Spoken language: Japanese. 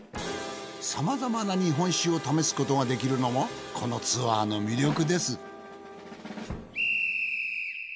さまざまな日本酒を試すことができるのもこのツアーの魅力です。